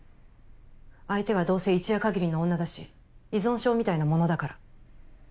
相手はどうせ一夜限りの女だし依存症みたいなものだから。